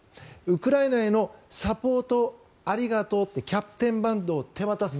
ウクライナへのサポートをありがとうってキャプテンバンドを手渡す。